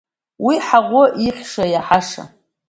Уи ҳаӷоу ихьша, иаҳаша!